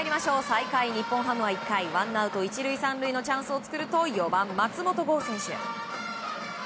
最下位、日本ハムは１回ワンアウト１塁３塁のチャンスを作ると４番、松本剛選手。